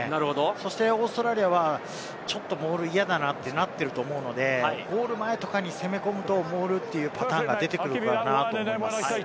そしてオーストラリアは、ちょっとモール嫌だなってなっていると思うので、ゴール前とかに攻め込むと、モールというパターンが出てくるかなと思います。